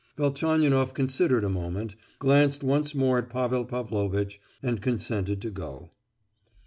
Velchaninoff considered a moment, glanced once more at Pavel Pavlovitch, and consented to go.